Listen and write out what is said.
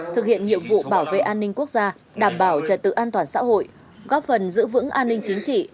thực hiện nhiệm vụ bảo vệ an ninh quốc gia đảm bảo trật tự an toàn xã hội góp phần giữ vững an ninh chính trị